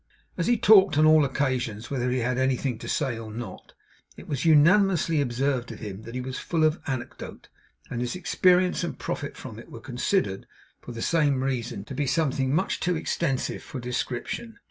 As he talked on all occasions whether he had anything to say or not, it was unanimously observed of him that he was 'full of anecdote;' and his experience and profit from it were considered, for the same reason, to be something much too extensive for description.